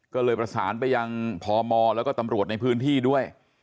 ก็เลยประสานไปยังพมแล้วก็ตำรวจในพื้นที่ด้วย